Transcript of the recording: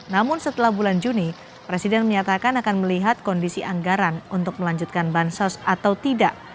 namun setelah bulan juni presiden menyatakan akan melihat kondisi anggaran untuk melanjutkan bansos atau tidak